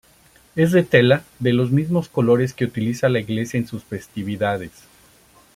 Es de tela de los mismos colores que utiliza la iglesia en sus festividades.